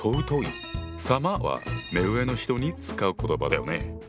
「様」は目上の人に使う言葉だよね。